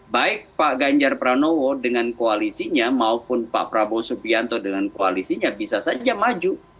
baik pak ganjar pranowo dengan koalisinya maupun pak prabowo subianto dengan koalisinya bisa saja maju